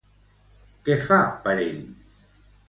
Què fa per ell?